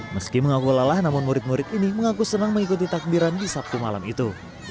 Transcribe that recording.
meski mengaku lelah namun murid murid ini mengaku senang mengikuti takbiran di sabtu malam itu